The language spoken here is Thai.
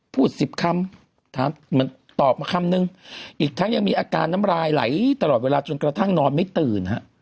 พูด๑๐คำตอบมา๑คำอีกทั้งยังมีอาการน้ำลายไหลตลอดเวลาจนกระทั่งนอนไม่ตื่น